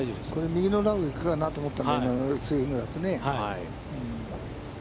右のラフに行かなと思ったんだけど、あのスイングだとね。